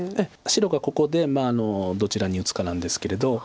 白がここでどちらに打つかなんですけれど。